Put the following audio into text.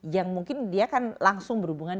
yang mungkin dia akan langsung berhubungan